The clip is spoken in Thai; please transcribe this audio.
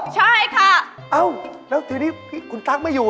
ใช่ค่ะเอ้าแล้วทีนี้คุณตั๊กไม่อยู่